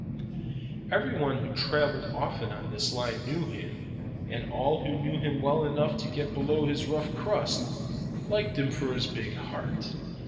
Every one who traveled often on that line knew him, and all who knew him well enough to get below his rough crust, liked him for his big heart.